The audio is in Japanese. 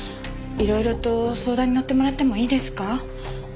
いろいろと相談にのってもらってもいいですか？